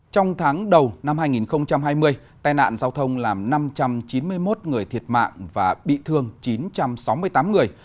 trong tháng đầu năm hai nghìn hai mươi tai nạn giao thông làm năm trăm chín mươi một người thiệt mạng và bị thương chín trăm sáu mươi tám người